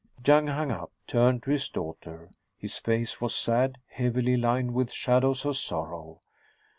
Young hung up, turned to his daughter. His face was sad, heavily lined with shadows of sorrow.